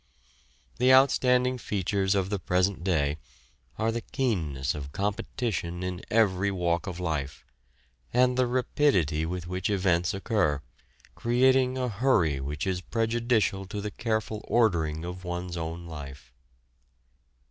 The outstanding features of the present day are the keenness of competition in every walk of life, and the rapidity with which events occur, creating a hurry which is prejudicial to the careful ordering of one's own life.